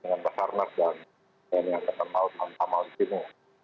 dengan pesawat dan pesawat yang sama sama di sini